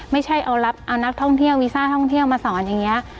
ไม่ใช่เอานักท่องเที่ยววีซ่าท่องเที่ยวมาสอนอย่างนี้